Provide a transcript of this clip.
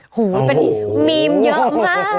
โอ้โหมีมเยอะมาก